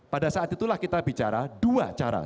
pada saat itulah kita bicara dua cara